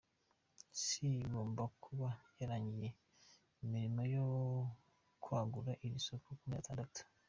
C igomba kuba yarangije imirimo yo kwagura iri soko mu mezi atandatu.